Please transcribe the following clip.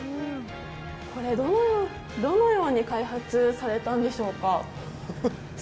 これ、どのように開発されたんでしょうか？